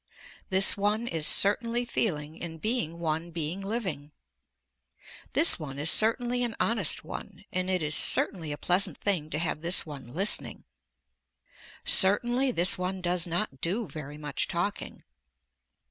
This one is certainly feeling, in being one being living. This one is certainly an honest one and it is certainly a pleasant thing to have this one listening. Certainly this one does not do very much talking.